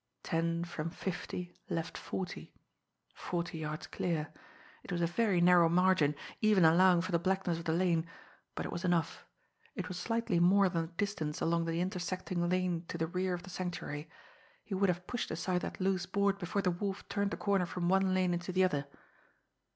Ten from fifty left forty. Forty yards clear! It was a very narrow margin, even allowing for the blackness of the lane but it was enough it was slightly more than the distance along the intersecting lane to the rear of the Sanctuary he would have pushed aside that loose board before the Wolf turned the corner from one lane into the other!